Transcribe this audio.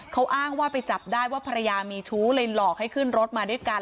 เขาอ้างว่าไปจับได้ว่าภรรยามีชู้เลยหลอกให้ขึ้นรถมาด้วยกัน